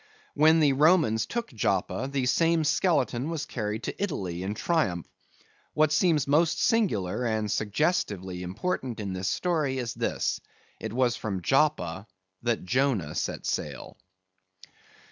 When the Romans took Joppa, the same skeleton was carried to Italy in triumph. What seems most singular and suggestively important in this story, is this: it was from Joppa that Jonah set sail.